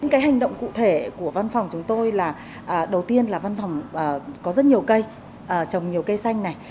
cái hành động cụ thể của văn phòng chúng tôi là đầu tiên là văn phòng có rất nhiều cây trồng nhiều cây xanh này